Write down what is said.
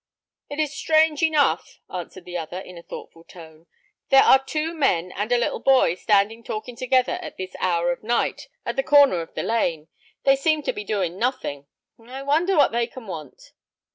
"It is strange enough," answered the other, in a thoughtful tone. "There are two men and a little boy standing talking together at this hour of night, at the corner of the lane. They seem to be doing nothing. I wonder what they can want?"